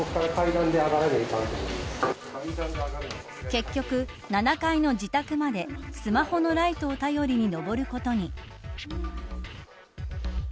結局、７階の自宅までスマホのライトを頼りに上ることに。